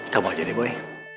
kamu aja deh boy